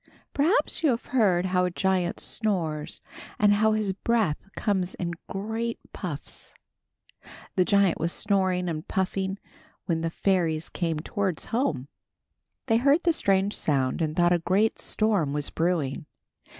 Perhaps you have heard how a giant snores, and how his breath comes in great puffs. The giant was snoring and puffing when the fairies came towards home. They heard the strange sound and thought a great storm was brewing.